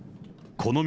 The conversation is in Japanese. この道